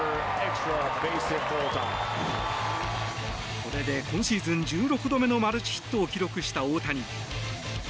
これで今シーズン１６度目のマルチヒットを記録した大谷。